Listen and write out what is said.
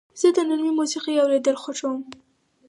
زه د نرمې موسیقۍ اورېدل خوښوم.